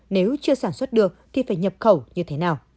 nếu chưa sản xuất được thì phải nhập khẩu như thế nào